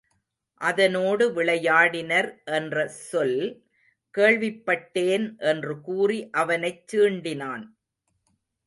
அதனோடு விளையாடினர் என்ற சொல் கேள்விப்பட்டேன் என்று கூறி அவனைச் சீண்டினான்.